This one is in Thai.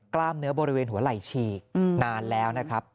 กล้ามเนื้อบริเวณหัวไหล่ฉีกนานแล้วนะครับ